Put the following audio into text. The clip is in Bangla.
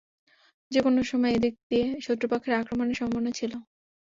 যে কোন সময় এ দিক দিয়ে শত্রুপক্ষের আক্রমণের সম্ভাবনা ছিল।